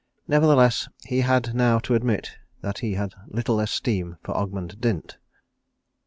Nevertheless, he had now to admit that he had little esteem for Ogmund Dint.